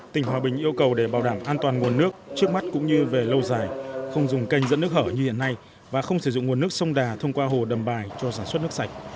tỉnh hòa bình yêu cầu để bảo đảm an toàn nguồn nước trước mắt cũng như về lâu dài không dùng kênh dẫn nước hở như hiện nay và không sử dụng nguồn nước sông đà thông qua hồ đầm bài cho sản xuất nước sạch